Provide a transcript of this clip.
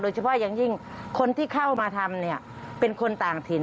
เฉพาะอย่างยิ่งคนที่เข้ามาทำเนี่ยเป็นคนต่างถิ่น